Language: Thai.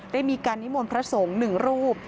ได้มีการนิมนต์พระสงฆ์หนึ่งรูป